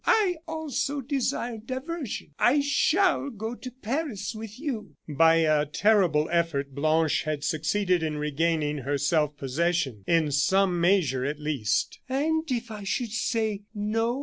I also desire diversion. I shall go to Paris with you." By a terrible effort Blanche had succeeded in regaining her self possession, in some measure at least. "And if I should say no?"